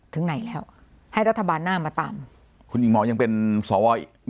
ถึงไหนแล้วให้รัฐบาลหน้ามาตามคุณหญิงหมอยังเป็นสวอีก